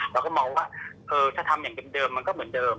เราก็มองว่าถ้าทำอย่างเดิมมันก็เหมือนเดิม